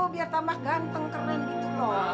biar tambah ganteng keren gitu loh